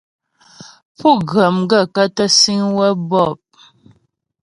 Pú ghə́ m gaə̂kə́ tə síŋ waə̂ bɔ̂p ?